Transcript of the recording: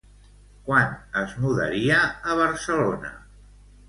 Quan es mudaria a Barcelona?